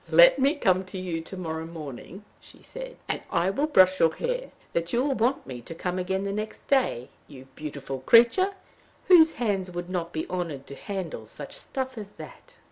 "Let me come to you to morrow morning," she said, "and I will brush your hair that you will want me to come again the next day. You beautiful creature! whose hands would not be honored to handle such stuff as that?"